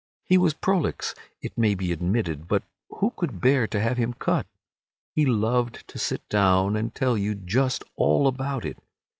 He was prolix, it may be admitted, but who could bear to have him cut? He loved to sit down and tell you just all about it.